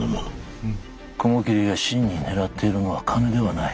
雲霧が真に狙っているのは金ではない。